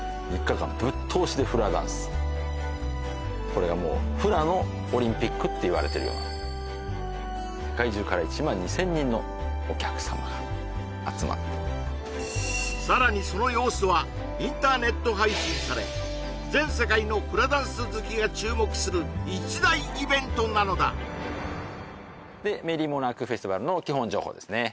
これがもうフラのオリンピックっていわれてるような世界中から１万２０００人のお客様が集まってさらにその様子はインターネット配信され全世界のフラダンス好きが注目する一大イベントなのだでメリー・モナーク・フェスティバルの基本情報ですね